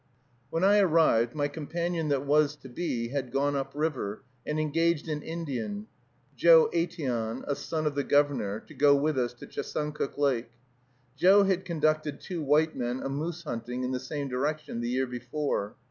When I arrived, my companion that was to be had gone up river, and engaged an Indian, Joe Aitteon, a son of the Governor, to go with us to Chesuncook Lake. Joe had conducted two white men a moose hunting in the same direction the year before.